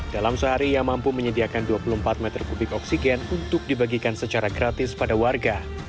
dalam sehari ia mampu menyediakan dua puluh empat meter kubik oksigen untuk dibagikan secara gratis pada warga